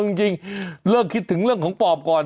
เอาจริงเลิกคิดถึงเรื่องของปอบก่อน